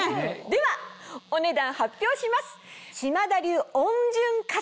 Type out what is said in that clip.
ではお値段発表します。